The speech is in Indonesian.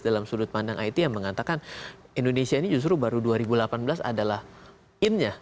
dalam sudut pandang it yang mengatakan indonesia ini justru baru dua ribu delapan belas adalah in nya